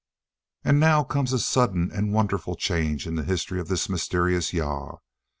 And now comes a sudden and wonderful change in the history of this mysterious Jah.